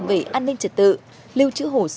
về an ninh trật tự lưu trữ hồ sơ